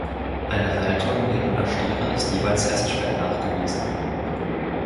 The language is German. Eine Haltung lebender Stiere ist jeweils erst spät nachgewiesen.